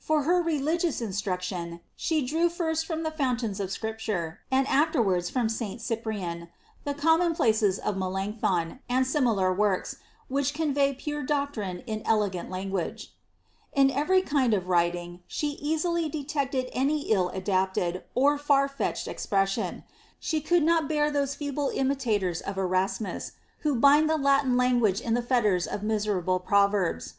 For her religious inatme tion, she drew firat from the fountains of Scripture, and afterwards from St Cyprian, the ^ Commonplaces' of Melancthon, and similar works, which convey pure doctrine in elegant language. ^ In every kind of writing she easily detected any ill adapted or far fetched expreitsion. She could not be^r those feeble imitators of Eras mus, who bind the Latin language in the fetters of miserable proverbs.